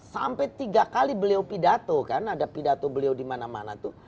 sampai tiga kali beliau pidato karena ada pidato beliau di mana mana itu